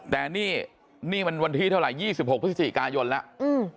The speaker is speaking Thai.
แต่นี่นี่มันวันที่เท่าไหร่๒๖พฤศจิกายนแล้ว